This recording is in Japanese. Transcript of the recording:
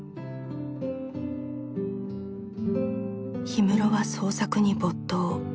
氷室は創作に没頭。